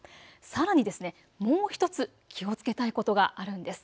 さらに、もう１つ気をつけたいことがあるんです。